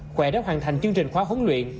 khỏe đã hoàn thành chương trình khóa huấn luyện